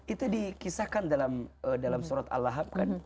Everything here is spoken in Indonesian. itu dikisahkan dalam surat allahab